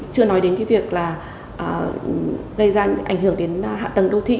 chưa nói đến việc gây ra ảnh hưởng đến hạ tầng đô thị